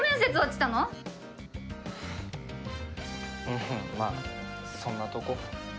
うんまあそんなとこ。